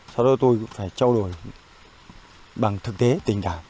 sau đó tôi cũng phải trao đổi bằng thực tế tình cảm